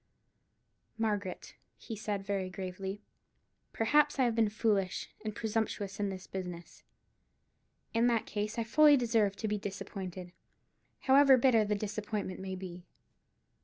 "Margaret," he said, very gravely, "perhaps I have been foolish and presumptuous in this business. In that case I fully deserve to be disappointed, however bitter the disappointment may be.